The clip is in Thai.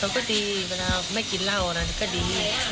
มันก็ดีเวลาไม่กินเหล้าอะไรก็ดี